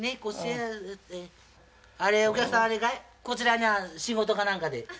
こちらには仕事か何かで？